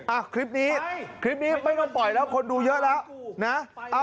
อ่ะคลิปนี้คลิปนี้ไม่ต้องปล่อยแล้วคนดูเยอะแล้วนะ